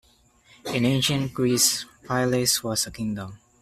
In Ancient Greece, Phylace was a kingdom.